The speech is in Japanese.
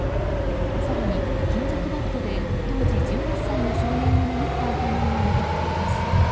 更に、金属バットで当時１８歳の少年を殴った疑いが持たれています。